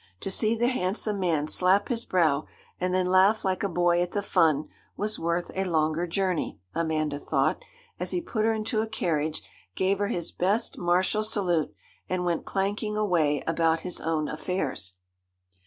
To see the handsome man slap his brow, and then laugh like a boy at the fun, was worth a longer journey, Amanda thought, as he put her into a carriage, gave her his best martial salute, and went clanking away about his own affairs.